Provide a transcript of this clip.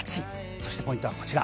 そしてポイントはこちら。